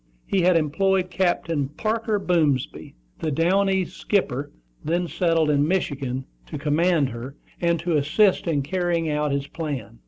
He had employed Captain Parker Boomsby, the down east skipper, then settled in Michigan, to command her, and to assist in carrying out his plan.